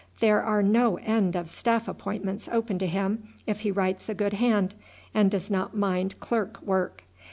There are no end of staff appointments open to him if he writes a good hand, and does not mind clerk work.